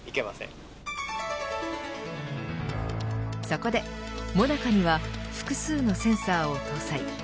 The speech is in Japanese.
そこで、ＭＯＮＡＣＡには複数のセンサーを搭載。